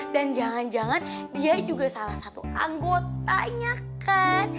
dan jangan jangan dia juga salah satu anggotanya kan